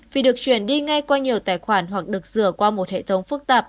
vì được chuyển đi ngay qua nhiều tài khoản hoặc được rửa qua một hệ thống phức tạp